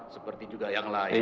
seperti juga yang lain